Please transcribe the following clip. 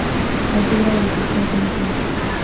Allí graba la canción "Somos viento".